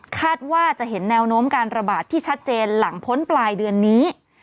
คาดว่าจะเห็นแนวโน้มการระบาดที่ชัดเจนหลังพ้นปลายเดือนนี้